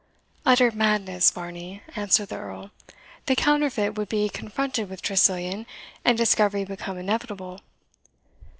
"Utter madness, Varney," answered the Earl; "the counterfeit would be confronted with Tressilian, and discovery become inevitable."